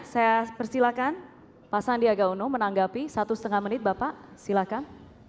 saya persilakan pak sandiaga uno menanggapi satu setengah menit bapak silakan